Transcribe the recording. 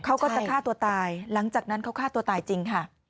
เขาก็จะฆ่าตัวตายหลังจากนั้นเขาฆ่าตัวตายจริงค่ะ